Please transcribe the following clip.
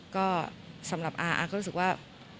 ก็สำหรับอาก็รู้สึกว่า